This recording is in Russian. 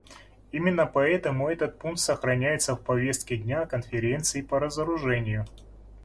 Именно поэтому этот пункт сохраняется в повестке дня Конференции по разоружению.